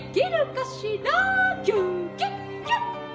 キュキュッキュッ」。